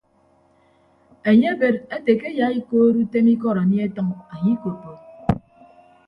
Enye ebed ete ke eyaikood utem ikọd anie atʌñ anye ikoppo.